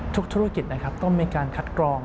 ทุกธุรกิจต้องมีการคัดกรอง